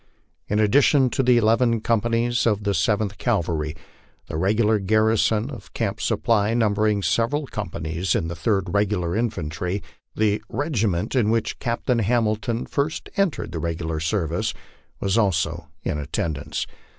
In addition to the eleven companies of the Seventh Cavalry, the regular garrison of Camp Supply, numbering several companies of the Third Regular Infantry, the regi rnent in which Captain Hamilton had first entered the regular service, was also in attendance.